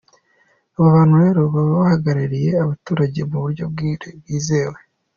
Aba bantu rero baba bahagarariye abaturage mu buryo bwizewe.